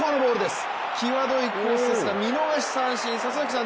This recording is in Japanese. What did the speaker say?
きわどいコースですが見送り三振。